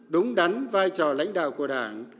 đúng đắn vai trò lãnh đạo của đảng